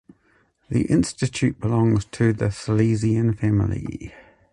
The institute belongs to the Salesian Family.